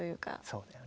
そうだよね。